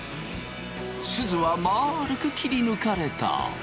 すずはまるく切り抜かれた。